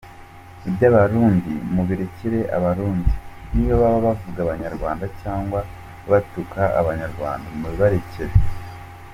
Iby’Abarundi mubirekere Abarundi niyo baba bavuga Abanyarwanda cyangwa batuka Abanyarwanda mubibarekere."